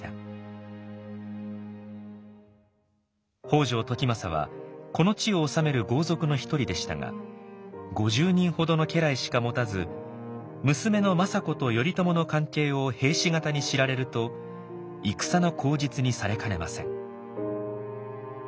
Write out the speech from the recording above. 北条時政はこの地を治める豪族の一人でしたが５０人ほどの家来しか持たず娘の政子と頼朝の関係を平氏方に知られると戦の口実にされかねません。